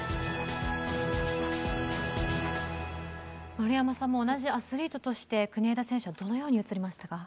丸山さんも同じアスリートとして国枝選手はどのように映りましたか？